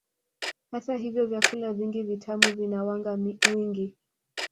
Hata hivyo vyakula vingi vitamu vina wanga mwingi